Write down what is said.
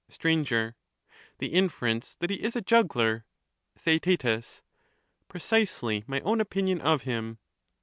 Str, The inference that he is a juggler. TheaeU Precisely my own opinion of him.